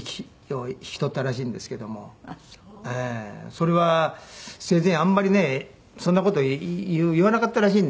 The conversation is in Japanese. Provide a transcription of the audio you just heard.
それは生前あんまりねそんな事言わなかったらしいんですよね。